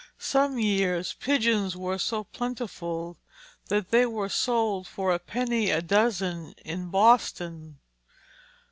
Some years pigeons were so plentiful that they were sold for a penny a dozen in Boston.